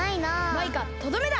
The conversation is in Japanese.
マイカとどめだ！